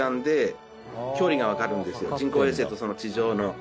人工衛星とその地上の。